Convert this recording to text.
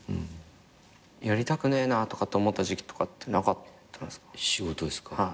「やりたくねえな」とかって思った時期とかってなかったんですか？